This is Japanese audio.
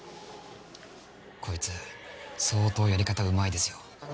こいつ相当やり方うまいですよ。